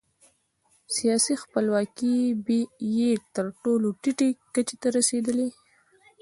سیاسي خپلواکي یې تر ټولو ټیټې کچې ته رسېدلې.